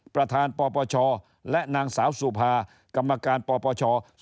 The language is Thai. ประธานปปชและนางสาวสุภากรรมการปปช